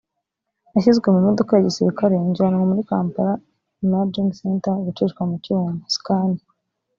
nashyizwe mu modoka ya gisirikare njyanwa muri Kampala Imaging Centre gucishwa mu cyuma (scan)